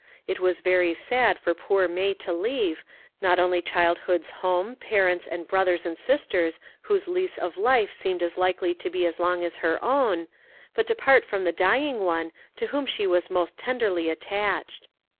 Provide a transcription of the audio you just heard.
It was very sad for poor May to leave, not only childhood's home, parents, and brothers and sisters whose lease of life seemed as likely to be long as her own, but to part from the dying one to whom she was most tenderly attached.